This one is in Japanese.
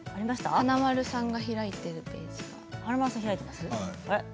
華丸さんが開いているページ。